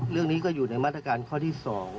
เรื่องนี้ก็อยู่ในมาตรการข้อที่๒